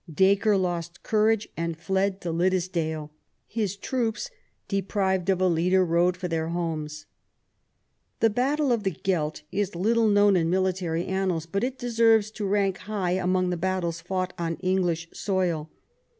Dacre lost courage and fled to Liddesdale ; his troops, deprived of a leader, rode for their homes. The battle of the Gelt is little known in military annals; but it deserves to rank high among the battles fought on English soil.